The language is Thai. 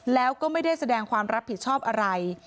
แล้วก็ไม่ได้แสดงความรับผิดชอบอะไร